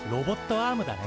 アームだね。